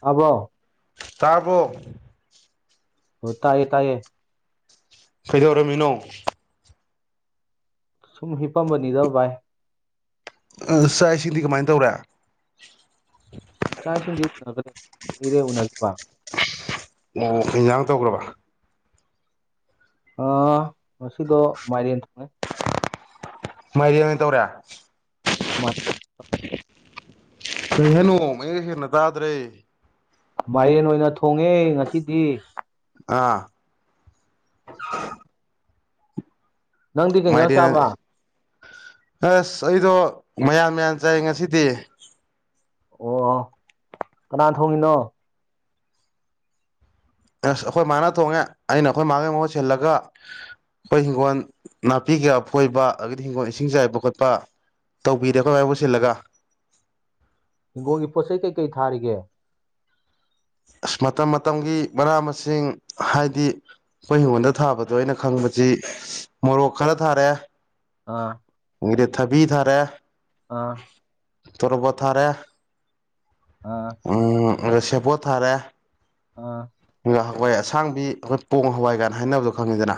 ꯇ꯭ꯕꯔꯣ ꯊꯥꯕꯣꯛ ꯇꯥꯏꯌꯦ ꯇꯥꯏꯌꯦ ꯀꯩꯗꯧꯔꯝꯃꯤꯅꯣ ꯁꯨꯝ ꯍꯤꯄꯝꯕꯅꯤꯗ ꯚꯥꯏ ꯁꯥꯏꯁꯤꯡꯗꯤ ꯀꯃꯥꯏꯅ ꯇꯧꯔꯦ ꯆꯥꯛ ꯏꯁꯤꯡꯗꯤ ꯎꯅꯈ꯭ꯔꯦ ꯀꯨꯏꯔꯦ ꯎꯅꯈꯤꯕꯈꯤꯕ ꯑꯣ ꯍꯦꯟꯖꯥꯡ ꯇꯧꯈ꯭ꯔꯕ ꯑꯥ ꯉꯁꯤꯗꯣ ꯃꯥꯏꯔꯦꯟ ꯊꯣꯡꯉꯦ ꯃꯥꯏꯔꯦꯟ ꯑꯣꯏ ꯇꯧꯔꯦ ꯃꯥꯏ ꯀꯩ ꯍꯥꯏꯅꯣ ꯃꯌꯦꯛ ꯁꯦꯡꯅꯥ ꯇꯥꯗ꯭ꯔꯦ ꯃꯥꯏꯔꯦꯟ ꯑꯣꯏꯅ ꯊꯣꯡꯉꯦ ꯉꯁꯤꯗꯤ ꯑꯥ [unintelligible] ꯅꯪꯗꯤ ꯀꯩ ꯏꯟꯖꯥꯡ ꯃꯥꯏꯔꯦꯟ ꯆꯥꯕ ꯑꯁ ꯑꯩꯗꯣ ꯃꯌꯥꯟ ꯃꯌꯥꯟ ꯆꯥꯏ ꯉꯁꯤꯗꯤ ꯑꯣ ꯀꯅꯥꯟ ꯊꯣꯡꯉꯤꯅꯣ ꯑꯁ ꯑꯈꯣꯏ ꯃꯥꯅ ꯊꯣꯡꯉꯦ ꯑꯩꯅ ꯑꯈꯣꯏ ꯃꯥꯒꯤ ꯃꯍꯨꯠ ꯁꯤꯜꯂꯒ ꯑꯩꯈꯣꯏ ꯍꯤꯡꯒꯣꯜ ꯅꯥꯄꯤ ꯀꯩꯀꯥ ꯐꯣꯏꯕ ꯑꯗꯒꯤꯗꯤ ꯍꯤꯡꯒꯣꯜ ꯏꯁꯤꯡ ꯆꯥꯏꯕ ꯈꯣꯠꯄ ꯇꯧꯕꯤꯔꯦ ꯑꯈꯣꯏ ꯃꯥꯏ ꯃꯍꯨꯠ ꯁꯤꯜꯂꯒ ꯍꯤꯡꯒꯣꯜꯒꯤ ꯄꯣꯠ ꯆꯩ ꯀꯩꯀꯩ ꯊꯥꯔꯤꯒꯦ ꯑꯁ ꯃꯇꯝ ꯃꯇꯝꯒꯤ ꯃꯅꯥ ꯃꯁꯤꯡ ꯍꯥꯏꯗꯤ ꯑꯈꯣꯏ ꯍꯤꯡꯒꯣꯜꯗ ꯊꯥꯕꯗꯣ ꯑꯩꯅ ꯈꯪꯕꯁꯤ ꯃꯣꯔꯣꯛ ꯈꯔ ꯊꯥꯔꯦ ꯑꯥ ꯏꯪꯒ꯭ꯔꯦꯠ ꯊꯕꯤ ꯊꯥꯔꯦ ꯑꯥ ꯇꯔꯕꯣꯠ ꯊꯥꯔꯦ ꯑꯥ ꯎꯝ ꯑꯗ ꯁꯦꯕꯣꯠ ꯊꯥꯔꯦ ꯑꯥ ꯍꯋꯥꯏ ꯑꯁꯥꯡꯕꯤ ꯑꯩꯈꯣꯏ ꯄꯣꯡ ꯍꯋꯥꯏ ꯀꯥꯏꯅ ꯍꯥꯏꯅꯕꯗꯣ ꯈꯪꯉꯤꯗꯅ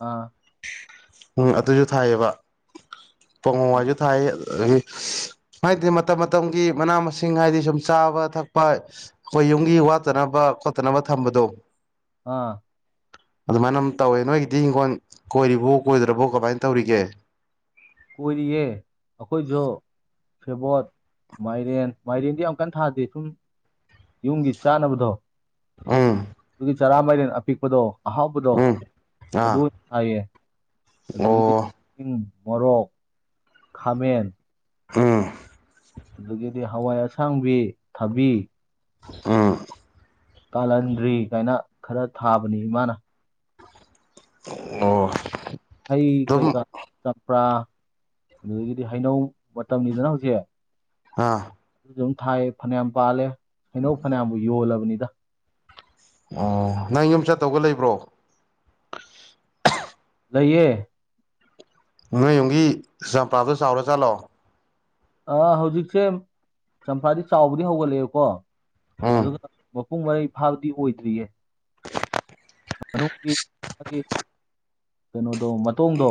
ꯑꯥ ꯎꯝ ꯑꯗꯨꯖꯨ ꯊꯥꯏꯌꯦꯕ ꯄꯣꯡ ꯃꯋꯥꯏꯖꯨ ꯊꯥꯏ ꯑꯗꯒꯤ ꯍꯥꯏꯗꯤ ꯃꯇꯝ ꯃꯇꯝꯒꯤ ꯃꯅꯥ ꯃꯁꯤꯡ ꯍꯥꯏꯗꯤ ꯁꯨꯝ ꯆꯥꯕ ꯊꯛꯄ ꯑꯈꯣꯏ ꯌꯨꯝꯒꯤ ꯋꯥꯠꯇꯅꯕ ꯈꯣꯠꯇꯅꯕ ꯊꯝꯕꯗꯣ ꯑꯥ ꯑꯗꯨꯃꯥꯏꯅ ꯑꯃ ꯇꯧꯋꯦ ꯅꯣꯏꯒꯤꯗꯤ ꯍꯤꯡꯈꯣꯜ ꯀꯣꯏꯔꯤꯕꯣ ꯀꯣꯏꯗ꯭ꯔꯕꯣ ꯀꯃꯥꯏꯅ ꯇꯧꯔꯤꯒꯦ ꯀꯣꯏꯔꯤꯌꯦ ꯑꯈꯣꯏꯖꯨ ꯁꯦꯕꯣꯠ ꯃꯥꯏꯔꯦꯟ ꯃꯥꯏꯔꯦꯟꯗꯤ ꯌꯥꯝ ꯀꯟꯅ ꯊꯥꯗꯦ ꯁꯨꯝ ꯌꯨꯝꯒꯤ ꯆꯥꯅꯕꯗꯣ ꯎꯝ ꯑꯗꯨꯒꯤ ꯆꯔꯥ ꯃꯥꯏꯔꯦꯟ ꯑꯄꯤꯛꯄꯗꯣ ꯑꯍꯥꯎꯕꯗꯣ ꯎꯝ ꯑꯥ ꯑꯗꯨ ꯑꯣꯏꯅ ꯊꯥꯏꯌꯦ ꯑꯗꯒꯤꯗꯤ ꯑꯣ ꯏꯪ ꯃꯣꯔꯣꯛ ꯈꯥꯃꯦꯟ ꯎꯝ ꯑꯗꯒꯤꯗꯤ ꯍꯋꯥꯏ ꯑꯁꯥꯡꯕꯤ ꯊꯕꯤ ꯑꯥ ꯀꯥꯜꯍꯟꯗ꯭ꯔꯤ ꯀꯥꯏꯅ ꯈꯔ ꯊꯥꯕꯅꯤ ꯏꯃꯥꯅ ꯑꯣ ꯍꯩ ꯀꯔꯤ ꯑꯗꯨꯝ ꯀꯥ ꯆꯝꯄ꯭ꯔꯥ ꯑꯗꯨꯗꯒꯤꯗꯤ ꯍꯩꯅꯧ ꯃꯇꯝꯅꯤꯗꯅ ꯍꯧꯖꯤꯛ ꯑꯥ ꯑꯗꯨꯖꯨꯝ ꯊꯥꯏ ꯐꯅꯌꯥꯝ ꯄꯥꯜꯂꯦ ꯍꯩꯅꯧ ꯐꯅꯌꯥꯝꯕꯨ ꯌꯣꯜꯂꯕꯅꯤꯗ ꯑꯣ ꯅꯪ ꯌꯨꯝ ꯆꯠꯇꯧꯕꯒ ꯂꯩꯕ꯭ꯔꯣ ꯂꯩꯌꯦ ꯅꯣꯏ ꯌꯨꯝꯒꯤ ꯆꯝꯄ꯭ꯔꯥꯗꯣ ꯆꯥꯎꯔꯥ ꯖꯥꯠꯂꯣ ꯑꯥ ꯍꯧꯖꯤꯛꯁꯦ ꯆꯝꯐ꯭ꯔꯥꯗꯤ ꯆꯥꯎꯕꯗꯤ ꯍꯧꯒꯠꯂꯛꯑꯦꯀꯣ ꯎꯝ ꯑꯗꯨꯒ ꯄꯨꯡ ꯃꯩ ꯐꯥꯕꯗꯤ ꯑꯣꯏꯗ꯭ꯔꯤꯌꯦ ꯃꯅꯨꯡꯒꯤ ꯀꯩꯅꯣꯗꯣ ꯃꯇꯣꯡꯗꯣ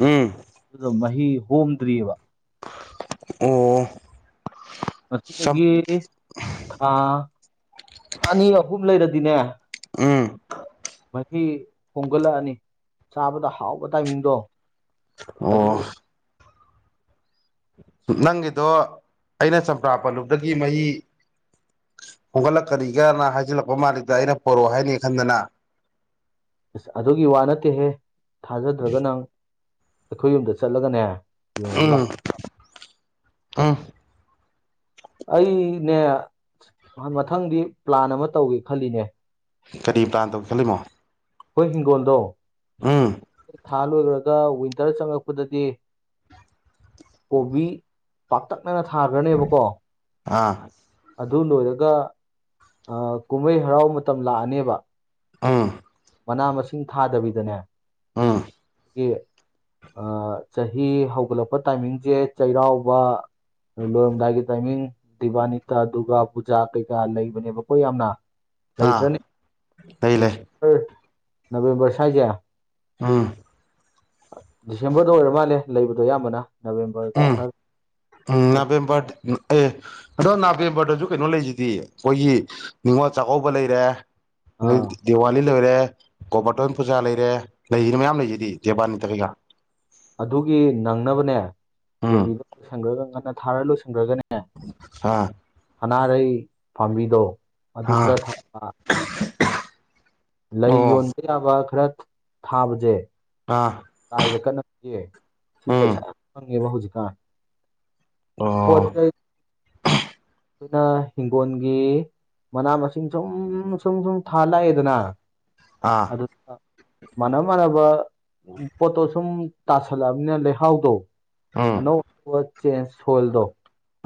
ꯎꯝ ꯑꯗꯨꯗꯣ ꯃꯍꯤ ꯍꯣꯝꯗ꯭ꯔꯤꯑꯕ꯫ ꯑꯣ ꯁꯝ ꯉꯁꯤꯗꯒꯤ ꯊꯥ ꯑꯅꯤ ꯑꯍꯨꯝ ꯂꯩꯔꯗꯤꯅꯦ ꯎꯝ ꯃꯍꯤ ꯍꯣꯡꯒꯠꯂꯛꯑꯅꯤ ꯆꯥꯕꯗ ꯍꯥꯎꯕ ꯇꯥꯏꯃꯤꯡꯗꯣ ꯑꯣ ꯅꯪꯒꯤꯗꯣ ꯑꯩꯅ ꯆꯝꯄ꯭ꯔꯥ ꯄꯜꯂꯨꯕꯗꯒꯤ ꯃꯍꯤ ꯍꯣꯡꯒꯠꯂꯛ ꯀꯔꯤꯒꯅ ꯍꯥꯏꯖꯤꯜꯂꯛꯄ ꯃꯥꯜꯂꯤꯗ ꯑꯩꯅ ꯄꯣꯔꯛꯑꯣ ꯍꯥꯏꯅꯤ ꯈꯟꯗꯅ꯫ ꯑꯁ ꯑꯗꯨꯒꯤ ꯋꯥ ꯅꯠꯇꯦꯍꯦ ꯊꯥꯖꯗ꯭ꯔꯒ ꯅꯪ ꯑꯩꯈꯣꯏ ꯌꯨꯝꯗ ꯆꯠꯂꯒꯅꯦ꯫ ꯌꯦꯡꯎꯁꯤ ꯂꯥꯎ꯫ ꯎꯝ ꯎꯝ ꯑꯩꯅꯦ ꯃꯊꯪꯗꯤ ꯄ꯭ꯂꯥꯟ ꯑꯃ ꯇꯧꯒꯦ ꯈꯜꯂꯤꯅꯦ꯫ ꯀꯔꯤ ꯄ꯭ꯂꯥꯟ ꯇꯧꯒꯦ ꯈꯜꯂꯤꯃꯣ꯫ ꯑꯩꯈꯣꯏ ꯍꯤꯡꯒꯣꯜꯗꯣ꯫ ꯎꯝ ꯂꯣꯏꯈꯔꯒ ꯋꯤꯟꯇꯔ ꯆꯪꯉꯛꯄꯗꯗꯤ ꯀꯣꯕꯤ꯫ ꯄꯥꯛꯇꯛꯅꯅ ꯊꯥꯈ꯭ꯔꯅꯦꯕꯀꯣ꯫ ꯑꯥ ꯑꯗꯨ ꯂꯣꯏꯔꯒ ꯀꯨꯝꯍꯩ ꯍꯔꯥꯎ ꯃꯇꯝ ꯂꯥꯛꯑꯅꯦꯕ꯫ ꯑꯥ꯫ ꯃꯅꯥ ꯃꯁꯤꯡ ꯊꯥꯗꯕꯤꯗꯅꯦ꯫ ꯑꯥ꯫ ꯑꯩꯈꯣꯏꯒꯤ ꯆꯍꯤ ꯍꯧꯒꯠꯂꯛꯄ ꯇꯥꯏꯃꯤꯡꯁꯦ ꯆꯩꯔꯥꯎꯕ꯫ ꯂꯣꯔꯝꯗꯥꯏꯒꯤ ꯇꯥꯏꯃꯤꯡ ꯗꯤꯕꯥꯅꯤꯇꯥ ꯗꯨꯔꯒꯥ ꯄꯨꯖꯥ ꯀꯩꯀꯥ ꯂꯩꯕꯅꯦꯕ ꯀꯣ ꯌꯥꯝꯅ ꯑꯥ ꯂꯩꯇ꯭ꯔꯅꯤ ꯂꯩ ꯂꯩ ꯗꯤꯁꯦꯝꯕꯔ ꯅꯕꯦꯝꯕꯔ ꯁ꯭ꯋꯥꯏꯁꯦ꯫ ꯎꯝ ꯗꯤꯁꯦꯝꯕꯔꯗ ꯑꯣꯏꯔ ꯃꯥꯜꯂꯦ ꯂꯩꯕꯗꯣ ꯑꯌꯥꯝꯕꯅ ꯅꯕꯦꯝꯕꯔ ꯎꯝ ꯈꯔ ꯎꯝ ꯅꯕꯦꯝꯕꯔ ꯑꯦ ꯑꯗꯣ ꯅꯕꯦꯝꯕꯔꯗꯁꯨ ꯀꯩꯅꯣ ꯂꯩꯁꯤꯗꯤ ꯑꯩꯈꯣꯏꯒꯤ ꯅꯤꯡꯅꯤꯉꯣꯜ ꯆꯥꯛꯀꯧꯕ ꯂꯩꯔꯦ ꯑꯥ ꯑꯗꯩꯗꯤ ꯗꯤꯋꯥꯂꯤ ꯂꯣꯏꯔꯦ ꯒꯣꯕꯔꯇꯣꯟ ꯄꯨꯖꯥ ꯂꯩꯔꯦ ꯂꯩꯔꯤꯅ ꯃꯌꯥꯝ ꯂꯩꯁꯤꯗꯤ ꯗꯦꯕꯥꯅꯤꯇ ꯀꯩꯀꯥ ꯑꯗꯨꯒꯤ ꯅꯪꯅꯕꯅꯦ ꯎꯝ ꯀꯣꯕꯤꯗ ꯂꯣꯏꯁꯟꯈ꯭ꯔꯒ ꯉꯟꯅ ꯊꯥꯔ ꯂꯣꯏꯁꯟꯈ꯭ꯔꯒꯅꯦ꯫ ꯍꯥꯥ꯫ ꯁꯅꯥꯔꯩ ꯄꯥꯝꯕꯤꯗꯣ ꯑꯗꯨ ꯑꯥ ꯈꯔ ꯊ ꯂꯩ ꯑꯣ ꯌꯣꯟꯕ ꯌꯥꯕ ꯈꯔ ꯊꯥꯕꯁꯦ꯫ ꯑꯥ꯫ ꯂꯥꯏꯗ ꯀꯠꯅꯕꯁꯤ ꯎꯝ ꯄꯩꯁꯥ ꯌꯥꯝ ꯐꯪꯉꯦꯕ ꯍꯧꯖꯤꯛꯀꯥꯟ ꯄꯣꯠ ꯑꯣ ꯆꯩ ꯑꯩꯈꯅ ꯏꯤꯡꯒꯣꯜꯒꯤ꯫ ꯃꯅꯥ ꯃꯁꯤꯡ ꯁꯨꯝ ꯁꯨꯝ ꯁꯨꯝ ꯊꯥꯜꯂꯛꯑꯦꯗꯅ꯫ ꯑꯥ꯫ ꯑꯗꯨ ꯃꯥꯟꯅꯕ ꯃꯥꯟꯅꯕ꯫ ꯄꯣꯠꯇꯣ ꯁꯨꯝ ꯇꯥꯁꯜꯂꯛꯑꯕꯅꯤꯅ ꯂꯩꯍꯥꯎꯗꯣ ꯎꯝ ꯑꯅꯧ꯫ ꯆꯦꯟꯖ ꯁꯣꯏꯜꯗꯣ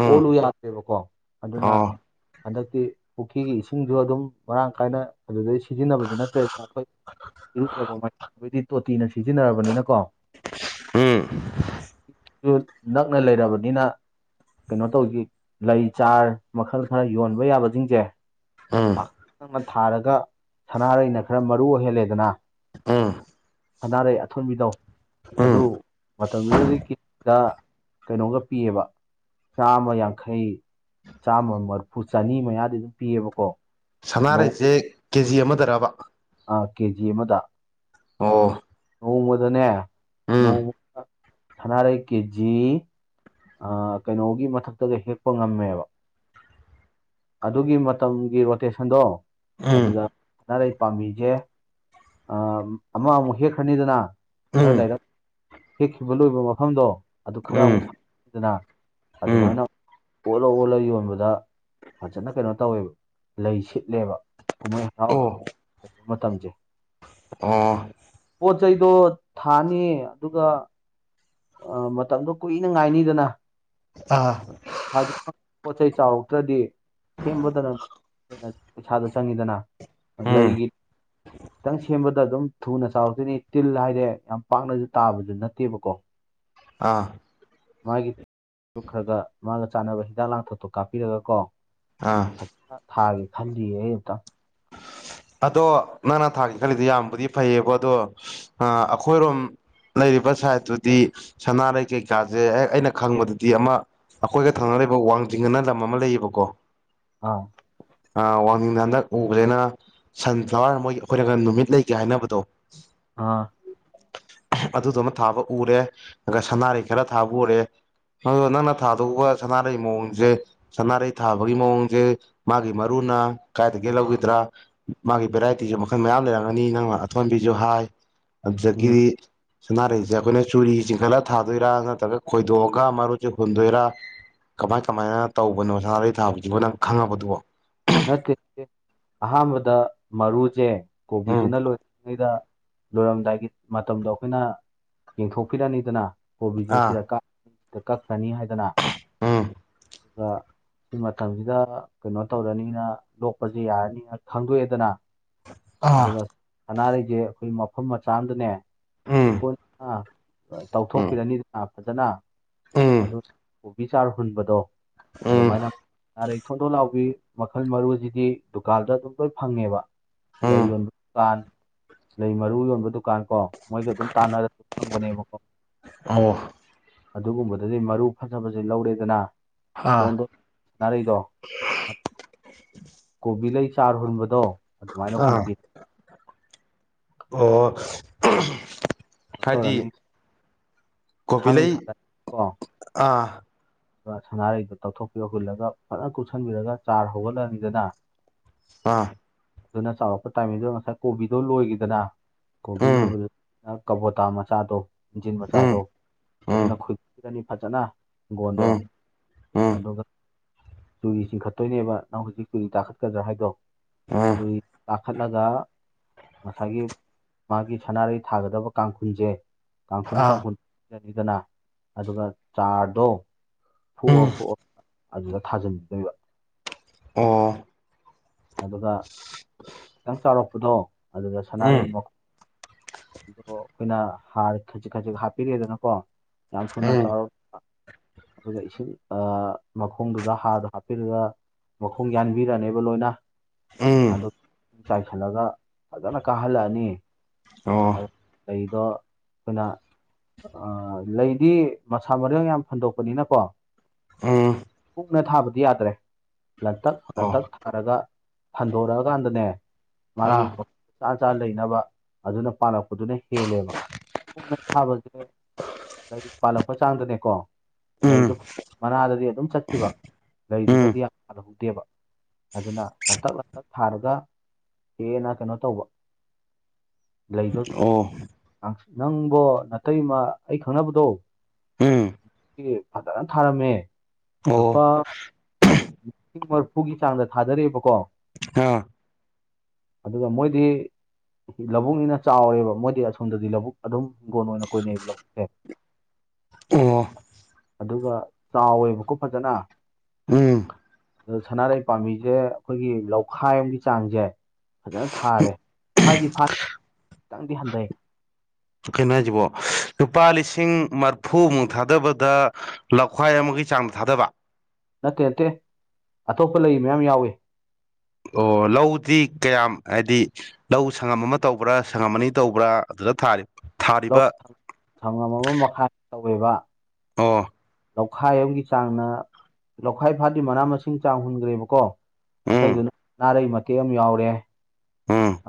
ꯎꯝ ꯑꯣꯜꯂꯨ ꯌꯥꯗꯦꯕꯀꯣ ꯑꯗꯨꯅ꯫ ꯑꯣ ꯍꯟꯗꯛꯇꯤ ꯄꯨꯈ꯭ꯔꯤꯒꯤ ꯏꯁꯤꯡꯁꯨ ꯑꯗꯨꯝ ꯃꯔꯥꯡ ꯀꯥꯏꯅ ꯑꯗꯨꯗꯩ ꯁꯤꯖꯤꯟꯅꯕꯁ ꯅꯠꯇ꯭ꯔꯦꯗ ꯑꯩꯈꯣꯏ ꯏꯔꯨꯖꯕ ꯃꯥꯏꯊꯕꯩꯗꯤ ꯇꯣꯇꯤꯅ ꯁꯤꯖꯤꯟꯅꯔꯕꯅꯤꯅꯀꯣ꯫ ꯎꯝ ꯅꯛꯅ ꯂꯩꯔꯕꯅꯤꯅ꯫ ꯀꯩꯅꯣ ꯇꯧꯁꯤ ꯂꯩ ꯆꯥꯔ ꯃꯈꯜ ꯈꯔ ꯌꯣꯟꯕ ꯌꯥꯕꯁꯤꯡꯁꯦ꯫ ꯎꯝ꯫ ꯊꯥꯔꯒ ꯁꯅꯥꯔꯩꯅ ꯈꯔ ꯃꯔꯨ ꯑꯣꯏꯍꯜꯂꯦꯗꯅ꯫ ꯎꯝ ꯁꯅꯥꯔꯩ ꯑꯊꯣꯟꯕꯤꯗꯣ ꯎꯝ ꯑꯗꯨ ꯃꯇꯝꯗꯨꯗꯗꯤ ꯀꯦꯖꯤꯗ ꯀꯩꯅꯣꯒ ꯄꯤꯑꯕ ꯆꯥꯝꯃ ꯌꯥꯡꯈꯩ ꯆꯥꯝꯃ ꯃꯔꯐꯨ ꯆꯅꯤ ꯃꯌꯥꯗꯤ ꯑꯗꯨꯝ ꯄꯤꯌꯦꯕꯀꯣ꯫ ꯁꯅꯥꯔꯩꯁꯦ ꯀꯦ ꯖꯤ ꯑꯃꯗꯔꯕ꯫ ꯀꯦꯖꯤ ꯑꯃꯗ ꯑꯣ ꯅꯣꯡꯃꯗꯅꯦ ꯎꯝ ꯅꯣꯡꯃ ꯁꯅꯥꯔꯩ ꯀꯦꯖꯤ ꯀꯩꯅꯣꯒꯤ ꯃꯊꯛꯇꯒ ꯍꯦꯛꯄ ꯉꯝꯃꯦꯕ ꯑꯗꯨꯒꯤ ꯃꯇꯝꯒꯤ ꯔꯣꯇꯦꯁꯟꯗꯣ ꯎꯝ ꯑꯗꯨꯗ ꯑꯅꯥꯩ ꯄꯥꯝꯕꯤꯁꯦ ꯑ ꯑꯃ ꯑꯃꯨꯛ ꯍꯦꯛꯈ꯭ꯔꯅꯤꯗꯅ ꯎꯝ ꯈꯔ ꯂꯩꯔꯛ ꯍꯦꯛꯈꯤꯕ ꯂꯣꯏꯕ ꯃꯐꯝꯗꯣ ꯑꯗꯨ ꯈꯔ ꯎꯝ ꯑꯃꯨꯛ ꯁꯈꯤꯗꯅ ꯎꯝ ꯑꯗꯨꯃꯥꯏꯅ ꯑꯣꯠꯜꯂ ꯑꯣꯜꯂ ꯌꯣꯟꯕꯗ ꯐꯖꯅ ꯀꯩꯅꯣ ꯇꯧꯋꯦꯕ ꯂꯩ ꯁꯤꯠꯂꯦꯕ ꯀꯨꯝꯍꯩ ꯍꯔꯥꯎ ꯑꯣ ꯃꯇꯝꯁꯦ ꯑꯣ ꯄꯣꯠ ꯆꯩꯗꯣ ꯊꯥꯅꯤ ꯑꯗꯨꯒ ꯑ ꯃꯇꯝꯗꯣ ꯀꯨꯏꯅ ꯉꯥꯏꯅꯤꯗꯅ ꯑ ꯄꯩ ꯄꯣꯠ ꯆꯩ ꯆꯥꯎꯔꯗ꯭ꯔꯗꯤ ꯁꯦꯝꯕꯗꯅ ꯍꯦꯟꯅ ꯄꯩꯁꯥꯗ ꯆꯪꯉꯤꯗꯅ ꯎꯝ ꯂꯩꯒꯤ ꯈꯤꯇꯪ ꯁꯦꯝꯕꯗ ꯑꯗꯨꯝ ꯊꯨꯅ ꯆꯥꯎꯔꯛꯇꯣꯏꯅꯤ ꯇꯤꯜ ꯍꯥꯏꯗꯤꯦ ꯌꯥꯝ ꯄꯥꯛꯅꯁꯨ ꯇꯥꯕꯗꯨ ꯅꯠꯇꯦꯕꯀꯣ ꯑ ꯃꯥꯒꯤ ꯈꯔꯒ ꯃꯥꯒ ꯆꯥꯅꯕ ꯍꯤꯗꯥꯛ ꯂꯥꯡꯊꯛꯇꯣ ꯀꯥꯞꯄꯤꯔꯒ ꯀꯣ ꯑꯥ ꯐꯖꯅ ꯊꯥꯒꯦ ꯈꯜꯂꯤꯌꯦ ꯑꯩ ꯑꯨꯛꯇ ꯑꯗꯣ ꯅꯪꯅ ꯊꯥꯒ ꯈꯜꯂꯤꯗ ꯌꯥꯝꯕꯨꯗꯤ ꯐꯩꯌꯦꯕ ꯑꯗꯣ ꯑꯩꯈꯣꯏꯔꯣꯝ ꯂꯩꯔꯤꯕ ꯁꯥꯏꯠꯇꯨꯗꯤ ꯁꯅꯥꯔꯩ ꯀꯩꯀꯥꯁꯦ ꯍꯦꯛ ꯑꯩꯅ ꯈꯪꯕꯗꯗꯤ ꯑꯃ ꯑꯩꯈꯣꯏꯒ ꯊꯥꯡꯅ ꯂꯩꯕ ꯋꯥꯡꯖꯤꯡ ꯑꯅ ꯂꯝ ꯑꯃ ꯂꯩꯌꯦꯕꯀꯣ ꯑ ꯑ ꯋꯥꯡꯤꯡꯗ ꯍꯟꯗꯛ ꯎꯕꯗꯩꯅ ꯁꯟꯐ꯭ꯂꯥꯋꯔ ꯃꯣꯏ ꯑꯩꯈꯣꯏꯔꯒ ꯅꯨꯃꯤꯠ ꯂꯩꯒꯦ ꯍꯥꯏꯅꯕꯗꯣ ꯑ ꯑꯗꯨꯗꯨ ꯑꯃ ꯊꯥꯕ ꯎꯔꯦ ꯑꯗꯨꯒ ꯁꯅꯥꯔꯤ ꯈꯔ ꯊꯥꯕ ꯎꯔꯦ ꯑ ꯅꯪꯅ ꯊꯥꯗꯣꯛꯎꯧꯕ ꯁꯅꯥꯔꯩ ꯃꯑꯣꯡꯁꯦ ꯁꯅꯥꯔꯩ ꯊꯥꯕꯒꯤ ꯃꯑꯣꯡꯁꯦ ꯃꯥꯒꯤ ꯃꯔꯨꯅ ꯀꯥꯏꯒꯦ ꯂꯧꯈꯤꯗ꯭ꯔꯥ ꯃꯥꯒꯤ ꯚꯦꯔꯥꯏꯇꯤꯁꯨ ꯃꯈꯜ ꯃꯌꯥꯝ ꯂꯩꯔꯝꯒꯅꯤ ꯅꯪꯅ ꯑꯊꯣꯟꯕꯤꯁꯨ ꯍꯥꯏ ꯑꯗꯨꯗꯒꯤ ꯁꯥꯟꯅꯥꯔꯩꯁꯦ ꯑꯩꯈꯣꯏꯅ ꯆꯨꯔꯤ ꯆꯤꯡꯈꯠꯂ ꯊꯥꯗꯣꯏꯔꯥ ꯅꯠꯇ꯭ꯔꯒ ꯈꯣꯏꯗꯣꯛꯑꯒ ꯃꯔꯨꯁꯦ ꯍꯨꯟꯗꯣꯏꯔꯥ ꯀꯃꯥꯏ ꯀꯃꯥꯏꯅ ꯇꯧꯕꯅꯣ ꯁꯅꯥꯔꯩ ꯊꯥꯕꯁꯤꯕꯣ ꯅꯪ ꯈꯪꯉꯕꯗꯨꯕꯣ ꯅꯠꯇꯦ ꯑꯍꯥꯟꯕꯗ ꯃꯔꯨꯁꯦ ꯎꯝ ꯀꯣꯕꯤꯗꯨꯅ ꯂꯣꯏꯔ ꯂꯣꯏꯔꯝꯗꯥꯏꯒꯤ ꯃꯇꯝꯗꯣ ꯑꯩꯈꯣꯏꯅ ꯌꯦꯡꯊꯣꯛꯄꯤꯔꯅꯤꯗꯅ ꯀꯣꯕꯤꯁꯦ ꯑꯥ ꯁꯤꯗ ꯁꯤꯗ ꯀꯛꯈ꯭ꯔꯅꯤ ꯍꯥꯏꯗꯅ ꯎꯝ ꯑꯗꯨꯒ ꯁꯤ ꯃꯇꯝꯁꯤꯗ ꯀꯩꯅꯣ ꯇꯧꯔꯅꯤꯅ ꯂꯣꯛꯄꯁꯤ ꯌꯥꯔꯅꯤꯅ ꯈꯪꯗꯣꯛꯑꯦꯗꯅ ꯑꯥ ꯑꯗꯨꯒ ꯁꯅꯥꯔꯩꯁꯦ ꯑꯩꯈꯣꯏ ꯃꯐꯝ ꯃꯆꯥ ꯑꯃꯗꯅꯦ ꯎꯝ ꯎꯝ ꯇꯧꯊꯣꯛꯄꯤꯔꯅꯤꯗꯅ ꯐꯖꯅ ꯎꯝ ꯑꯗꯨ ꯀꯣꯕꯤ ꯆꯥꯔ ꯍꯨꯟꯕꯗꯣ ꯎꯝ ꯑꯗꯨꯃꯥꯏꯅ ꯑꯔꯩ ꯊꯣꯟꯗꯣꯛ ꯂꯥꯎꯕꯤ ꯃꯈꯜ ꯃꯔꯨꯁꯤꯗꯤ ꯗꯨꯀꯥꯟꯗ ꯑꯗꯨꯝ ꯂꯣꯏ ꯐꯪꯉꯦꯕ ꯂꯩ ꯎꯝ ꯌꯣꯟꯕ ꯗꯨꯀꯥꯟ ꯂꯩ ꯃꯔꯨ ꯌꯣꯟꯕ ꯗꯨꯀꯥꯟ ꯀꯣ ꯃꯣꯏꯒ ꯑꯗꯨꯝ ꯇꯥꯟꯅꯔ ꯑꯗꯨ ꯐꯪꯕꯅꯦꯕꯀꯣ ꯑꯣ ꯑꯗꯨꯒꯨꯝꯕꯗꯗꯤ ꯃꯔꯨ ꯐꯖꯕꯁꯦ ꯂꯧꯔꯦꯗꯅ ꯑꯥ ꯗꯣꯟꯗꯣ ꯁꯥꯅꯔꯩꯗꯣ ꯀꯣꯕꯤ ꯂꯩꯩ ꯆꯥꯔ ꯍꯨꯟꯕꯗꯣ ꯑꯗꯨꯃꯥꯏꯅ ꯑꯥ ꯍꯨꯟꯕꯤꯕ ꯑꯣ ꯍꯨꯟꯕ ꯍꯥꯏꯗꯤ ꯇꯧꯔꯅꯤ ꯀꯣꯕꯤ ꯂꯩ ꯑꯥ ꯁꯥꯟꯅꯥꯔꯩꯗꯨ ꯇꯧꯊꯣꯛꯄꯤꯌꯣ ꯍꯨꯜꯂꯒ ꯐꯖꯅ ꯀꯨꯞꯁꯟꯕꯤꯔꯒ ꯆꯥꯔ ꯍꯧꯍꯜꯂꯅꯤꯗꯅ ꯑꯥ ꯑꯗꯨꯅ ꯆꯥꯎꯔꯛꯄ ꯇꯥꯏꯃꯤꯡꯗꯨꯗ ꯉꯁꯥꯏ ꯀꯣꯕꯤꯗꯣ ꯂꯣꯏꯈꯤꯗꯅ ꯀꯣꯕꯤ ꯎꯝ ꯂꯣꯏꯕꯗ ꯀꯕꯣꯇꯥ ꯃꯆꯥꯗꯣ ꯏꯟꯖꯤꯟ ꯎꯝ ꯃꯆꯥꯗꯣ ꯑꯗꯨꯅ ꯎꯝ ꯈꯨꯝꯃꯅꯤ ꯐꯖꯅ ꯍꯪꯒꯣꯟꯗꯣ ꯎꯝ ꯎꯝ ꯑꯗꯨꯒ ꯆꯨꯔꯤ ꯆꯤꯡꯈꯠꯇꯣꯏꯅꯦꯕ ꯅꯪ ꯍꯧꯖꯤꯛ ꯆꯨꯔꯤ ꯇꯥꯈꯠꯀꯗ꯭ꯔꯥ ꯍꯥꯏꯗꯣ ꯎꯝ ꯆꯨꯔꯤ ꯀꯥꯈꯠꯂꯒ ꯉꯁꯥꯏꯒꯤ ꯃꯥꯒꯤ ꯁꯅꯥꯔꯩ ꯊꯥꯒꯗꯕ ꯀꯥꯡꯈꯨꯜꯁꯦ ꯀꯥꯡꯈꯨꯜ ꯑꯥ ꯀꯥꯡꯈꯨꯜꯅꯤꯗꯅ ꯑꯗꯨꯒ ꯆꯥꯔꯗꯣ ꯐꯨꯛꯑꯣ ꯎꯝ ꯐꯨꯛꯑꯣ ꯑꯗꯨꯗ ꯊꯥꯖꯤꯟꯕꯤꯗꯣꯏꯕ ꯎꯝ ꯑꯗꯨꯒ ꯈꯤꯇꯪ ꯆꯥꯎꯔꯛꯄꯗꯣ ꯑꯗꯨꯒ ꯎꯝ ꯁꯅꯥꯔꯩ ꯑꯗꯣ ꯑꯩꯈꯣꯏꯅ ꯍꯥꯔ ꯈꯖꯤꯛ ꯈꯖꯤꯛ ꯍꯥꯞꯄꯤꯔꯦꯗꯅꯀꯣ ꯌꯥꯝ ꯊꯨꯅꯥ ꯎꯝ ꯆꯥꯎꯔꯛꯄ ꯑꯗꯨꯒ ꯏꯁꯤꯡ ꯑꯥ ꯃꯈꯣꯡꯗꯨꯗ ꯍꯥꯔꯗꯣ ꯍꯥꯞꯄꯤꯔꯒ ꯃꯈꯣꯡ ꯌꯥꯟꯕꯤꯔꯅꯦꯕ ꯂꯣꯏꯅ ꯎꯝ ꯑꯗꯣ ꯆꯥꯏꯁꯤꯜꯂꯒ ꯐꯖꯅ ꯀꯥꯍꯜꯂꯛꯑꯅꯤ ꯑꯣ ꯑꯗꯣ ꯂꯩꯗꯣ ꯑꯩꯈꯣꯏꯅ ꯑ ꯂꯩꯗꯤ ꯃꯁꯥ ꯃꯔꯦꯟ ꯌꯥꯝ ꯐꯟꯗꯣꯛꯄꯅꯤꯅꯀꯣ ꯎꯝ ꯀꯨꯛꯅ ꯊꯥꯕꯗꯤ ꯌꯥꯗ꯭ꯔꯦ ꯂꯇꯛ ꯑꯣ ꯂꯥꯇꯛ ꯊꯥꯔꯒ ꯐꯟꯗꯣꯔꯛꯑꯀꯥꯟꯗꯅꯦ ꯑꯥ ꯃꯥꯒꯤ ꯆꯥ ꯆꯥꯅ ꯂꯩꯅꯕ ꯑꯗꯨꯅ ꯄꯥꯜꯂꯛꯄꯗꯨꯅ ꯍꯦꯜꯂꯦꯕꯅ ꯀꯨꯡꯅ ꯊꯥꯕꯁꯦ ꯂꯩ ꯄꯥꯜꯂꯛꯄ ꯆꯥꯡꯗꯅꯦꯀꯣ ꯎꯝ ꯂꯩꯗꯣ ꯃꯅꯥꯗꯗꯤ ꯑꯗꯨꯝ ꯆꯠꯈꯤꯕ ꯎꯝ ꯂꯩꯗꯨꯗꯗꯤ ꯌꯥꯝ ꯄꯟꯍꯧꯗꯦꯕ ꯑꯗꯨꯅ ꯂꯟꯇꯛ ꯂꯟꯇꯛ ꯊꯥꯔꯒ ꯍꯦꯟꯅ ꯀꯩꯅꯣ ꯇꯧꯕ ꯂꯩꯗꯣ ꯑꯣ ꯅꯪꯕꯣ ꯅꯥꯇꯩꯃ ꯑꯩ ꯈꯪꯅꯕꯗꯣ ꯎꯝ ꯂꯩ ꯐꯖꯅ ꯊꯥꯔꯝꯃꯦ ꯑꯣ ꯂꯨꯄꯥ ꯂꯤꯁꯤꯡ ꯃꯔꯐꯨꯒꯤ ꯆꯥꯡꯗ ꯊꯥꯗꯔꯦꯕꯀꯣ ꯑꯥ ꯑꯗꯨꯒ ꯃꯣꯏꯗꯤ ꯂꯧꯕꯨꯛꯅꯤꯅ ꯆꯥꯎꯔꯦꯕ ꯃꯣꯏꯗꯤ ꯑꯁꯣꯝꯗꯗꯤ ꯂꯧꯕꯨꯛ ꯑꯗꯨꯝ ꯍꯤꯡꯒꯣꯟ ꯑꯣꯏꯅ ꯀꯣꯏꯅꯩꯑꯕ ꯂꯧꯕꯨꯛꯁꯦ ꯑꯣ ꯑꯗꯨꯒ ꯆꯥꯎꯋꯦꯕꯀꯣ ꯐꯖꯅ ꯎꯝ ꯑꯗꯨ ꯁꯅꯥ ꯂꯩꯩ ꯄꯥꯝꯕꯤꯁꯦ ꯑꯩꯈꯣꯏꯒꯤ ꯂꯧꯈꯥꯏ ꯑꯃꯒꯤ ꯆꯥꯡꯁꯦ ꯐꯖꯅ ꯊꯥꯔꯦ ꯐꯗꯤ ꯐ ꯈꯤꯇꯪꯗꯤ ꯍꯟꯗꯩ ꯀꯩꯅꯣ ꯍꯥꯏꯁꯤꯕꯣ ꯂꯨꯄꯥ ꯂꯤꯁꯤꯡ ꯃꯔꯐꯨꯃꯨꯛ ꯊꯥꯗꯕꯗ ꯂꯧꯈꯥꯏ ꯑꯃꯒꯤ ꯆꯥꯡꯗ ꯊꯥꯗꯕ ꯅꯠꯇꯦ ꯅꯠꯇꯦ ꯑꯇꯣꯞꯄ ꯂꯩ ꯃꯌꯥꯝ ꯌꯥꯎꯏ ꯑꯣ ꯂꯧꯗꯤ ꯀꯌꯥꯝ ꯍꯥꯏꯗꯤ ꯂꯧ ꯁꯪꯉꯝ ꯑꯃ ꯇꯧꯕ꯭ꯔꯥ ꯁꯪꯉꯝ ꯑꯅꯤ ꯇꯧꯕ꯭ꯔꯥ ꯑꯗꯨꯗ ꯊꯥꯔꯤꯕ ꯁꯪꯉꯝ ꯑꯃꯃꯈꯥꯏ ꯇꯧꯋꯦꯕ ꯑꯣ ꯂꯧꯈꯥꯏ ꯑꯃꯒꯤ ꯆꯥꯡꯅ ꯂꯧꯈꯥꯏ ꯐꯥꯗꯤ ꯃꯅꯥ ꯃꯁꯤꯡ ꯆꯥꯡ ꯍꯨꯟꯈ꯭ꯔꯦꯕꯀꯣ ꯎꯝ ꯑꯇꯩꯗꯨꯅ ꯅꯥꯔꯩ ꯃꯇꯦꯛ ꯑꯃ ꯌꯥꯎꯔꯦ ꯎꯝ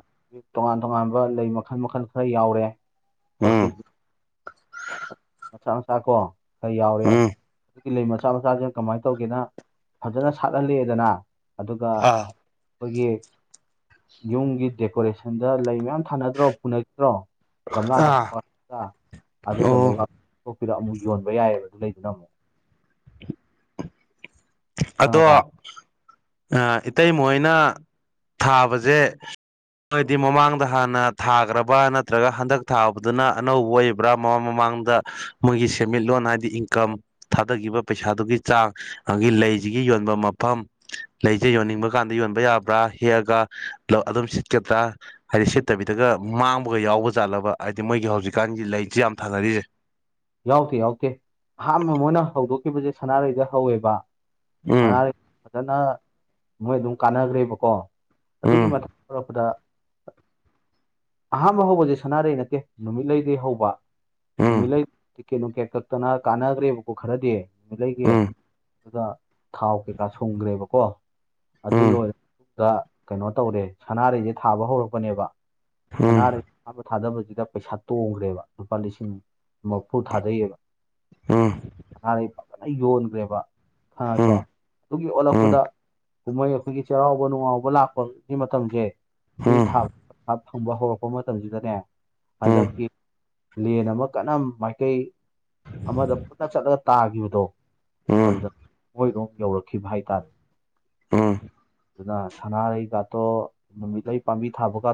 ꯇꯣꯉꯥꯟ ꯇꯣꯉꯥꯟꯕ ꯂꯩ ꯃꯈꯜ ꯃꯈꯜ ꯈꯔ ꯌꯥꯎꯔꯦ ꯎꯝ ꯑꯣꯔꯀꯤꯠ ꯃꯆꯥꯥ ꯃꯆꯥꯥ ꯀꯣ ꯈꯔ ꯌꯥꯎꯔꯦ ꯎꯝ ꯒꯤ ꯂꯩ ꯃꯆꯥ ꯃꯆꯥꯁꯤꯅ ꯀꯃꯥꯏꯅ ꯇꯧꯒꯦꯅ ꯐꯖꯅ ꯁꯥꯠꯍꯜꯂꯦꯗꯅ ꯑꯗꯨꯒ ꯑꯥ ꯑꯩꯈꯣꯏꯒꯤ ꯌꯨꯝꯒꯤ ꯗꯦꯀꯣꯔꯦꯁꯟꯗ ꯂꯩ ꯃꯌꯥꯝ ꯊꯥꯅꯗ꯭ꯔꯣ ꯄꯨꯅꯛꯇ꯭ꯔꯣ ꯒꯝꯂꯥꯗ ꯑꯥ ꯍꯥꯞꯄꯒ ꯑꯗꯨꯗꯣ ꯑꯣ ꯂꯩꯕꯥꯛ ꯊꯣꯛꯄꯤꯔ ꯑꯃꯨꯛ ꯌꯣꯟꯕ ꯌꯥꯏꯌꯦꯕ ꯑꯗꯨ ꯂꯩꯗꯨꯅ ꯑꯃꯨꯛ ꯑꯗꯣ ꯑ ꯏꯇꯩꯃꯥ ꯍꯣꯏꯅ ꯊꯥꯕꯖꯦ ꯍꯥꯏꯗꯤ ꯃꯃꯥꯡꯗ ꯍꯥꯟꯅ ꯊꯥꯒ꯭ꯔꯕ ꯅꯠꯇ꯭ꯔꯒ ꯍꯟꯗꯛ ꯊꯥꯕꯗꯨꯅ ꯑꯅꯧꯕ ꯑꯣꯏ ꯕꯔ ꯃꯃꯥ ꯃꯃꯥꯡꯗ ꯃꯣꯏꯒꯤ ꯁꯦꯟꯃꯤꯠꯂꯣꯟ ꯍꯥꯏꯗꯤ ꯏꯟꯀꯝ ꯊꯥꯗꯒꯤꯕ ꯄꯩꯁꯥꯗꯨꯒꯤ ꯆꯥꯡ ꯑꯒꯤ ꯂꯩꯖꯤꯒꯤ ꯌꯣꯟꯕꯝ ꯃꯐꯝ ꯂꯩꯖꯦ ꯌꯣꯟꯅꯤꯡꯕ ꯀꯥꯟꯗ ꯌꯣꯟꯕ ꯌꯥꯕ꯭ꯔꯥ ꯍꯦꯛꯑꯒ ꯑꯗꯨꯝ ꯁꯤꯠꯀꯗ꯭ꯔꯥ ꯍꯥꯏꯗꯤ ꯁꯤꯠꯇꯕꯤꯗꯒ ꯃꯥꯡꯕꯒ ꯌꯥꯎꯕ ꯖꯥꯠꯂꯕ ꯍꯥꯏꯗꯤ ꯃꯣꯏꯒꯤ ꯍꯧꯖꯤꯛꯀꯥꯟꯒꯤ ꯂꯩꯖꯤ ꯌꯥꯝ ꯊꯥꯅꯔꯤꯌꯦ ꯌꯥꯎꯗꯦ ꯌꯥꯎꯗꯦ ꯑꯍꯥꯟꯕ ꯃꯣꯏꯅ ꯍꯧꯗꯣꯛꯈꯤꯕꯖꯦ ꯁꯅꯥꯔꯩꯗ ꯍꯧꯋꯦꯕ ꯎꯝ ꯁꯅꯥꯔꯩ ꯐꯖꯅ ꯃꯣꯏ ꯑꯗꯨꯝ ꯀꯥꯟꯅꯒ꯭ꯔꯦꯕꯀꯣ ꯑꯗꯨꯒꯤ ꯎꯝ ꯃꯊꯠ ꯑꯣꯏꯔꯛꯄꯗ ꯑꯍꯥꯝꯕ ꯍꯧꯕꯖꯦ ꯁꯅꯥꯔꯩ ꯅꯠꯇꯦ ꯅꯨꯃꯤꯠꯂꯩꯗꯩ ꯍꯧꯕ ꯎꯝ ꯅꯨꯃꯤꯠꯂꯩ ꯀꯦꯅꯨ ꯀꯦꯛ ꯀꯛꯇꯅ ꯀꯥꯟꯅꯒ꯭ꯔꯦꯕꯀꯣ ꯈꯔꯗꯤ ꯑꯗꯩꯗꯤ ꯎꯝ ꯗꯨꯒ ꯊꯥꯎ ꯀꯩꯀꯥ ꯁꯨꯡꯒ꯭ꯔꯦꯕꯀꯣ ꯑꯗꯨ ꯎꯝ ꯂꯣꯏꯔꯒ ꯀꯩꯅꯣ ꯇꯧꯔꯦ ꯁꯅꯥꯔꯩꯖꯦ ꯊꯥꯕ ꯍꯧꯔꯛꯄꯅꯦꯕ ꯎꯝ ꯁꯅꯥꯔꯩ ꯑꯍꯥꯟꯕ ꯊꯥꯗꯕꯗꯨꯗ ꯄꯩꯁꯥ ꯇꯣꯡꯒ꯭ꯔꯦꯕ ꯂꯨꯄꯥ ꯂꯤꯁꯤꯡ ꯃꯔꯐꯨ ꯊꯥꯗꯩꯑꯕ ꯎꯝ ꯁꯥꯅꯔꯩ ꯐꯖꯅ ꯌꯣꯟꯒ꯭ꯔꯦꯕ ꯈꯉꯥꯏ ꯀꯣ ꯎꯝ ꯑꯗꯨꯒꯤ ꯑꯣꯜꯂꯛꯄꯗ ꯎꯝ ꯀꯨꯝꯍꯩ ꯑꯩꯈꯣꯏꯒꯤ ꯆꯩꯔꯥꯎꯕ ꯅꯨꯡꯉꯥꯎꯕ ꯂꯥꯛꯄꯒꯤ ꯃꯇꯝꯁꯦ ꯁꯤ ꯊꯥ ꯊꯝꯕ ꯍꯧꯔꯛꯄ ꯃꯇꯝꯖꯤꯗꯅꯦ ꯎꯝ ꯎꯝ ꯍꯟꯗꯛꯀꯤ ꯂꯦꯟ ꯑꯃ ꯀꯅꯝ ꯃꯥꯏꯀꯩ ꯑꯃꯗ ꯄꯨꯟꯅ ꯆꯠꯂꯒ ꯇꯥꯒꯤꯕꯗꯣ ꯎꯝ ꯑꯗꯨꯗ ꯑꯈꯣꯏꯔꯣꯝ ꯌꯧꯔꯛꯈꯤꯕ ꯍꯥꯏꯇꯥꯔꯦ ꯎꯝ ꯑꯗꯨꯅ ꯁꯅꯥꯔꯩꯒꯇꯣ ꯅꯨꯃꯤꯠꯂꯩ ꯄꯥꯝꯕꯤ ꯊꯥꯕꯒ